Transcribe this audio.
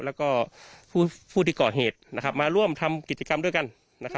แล้วก็ผู้ที่ก่อเหตุนะครับมาร่วมทำกิจกรรมด้วยกันนะครับ